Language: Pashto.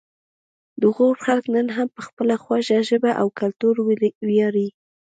د غور خلک نن هم په خپله خوږه ژبه او کلتور ویاړي